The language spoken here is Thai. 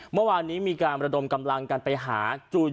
เมื่อวานนี้มีการระดมกำลังกันไปหาจูน